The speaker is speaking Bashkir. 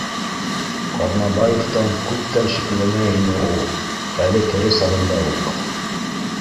Ҡаҙнабаевтан күптән шикләнә ине ул, әле тере сағында уҡ